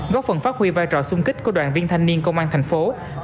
góp phần phát huy vai trò xung kích của đoàn viên thanh niên công an tp hcm